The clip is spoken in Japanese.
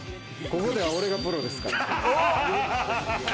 ここでは俺がプロですから。